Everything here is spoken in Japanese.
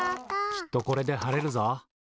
きっとこれではれるぞ。